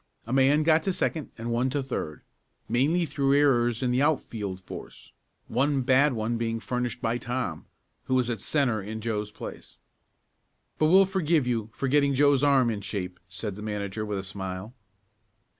A man got to second and one to third, mainly through errors in the outfield force, one bad one being furnished by Tom, who was at centre in Joe's place. "But we'll forgive you for getting Joe's arm in shape," said the manager with a smile.